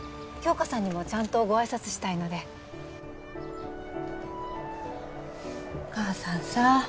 杏花さんにもちゃんとご挨拶したいのでお母さんさ